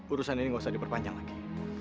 urusan ini nggak usah diperpanjang lagi